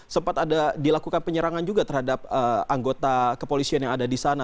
sempat ada dilakukan penyerangan juga terhadap anggota kepolisian yang ada di sana